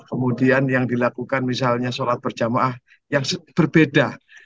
kemudian yang dilakukan misalnya sholat berjamaah yang berbeda